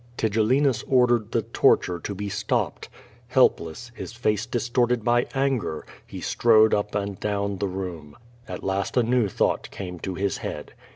Tigellinus ordered the torture to be stopped. Helpless, his face distorted by anger, he strode up and down the room. At last a new thought came to his head.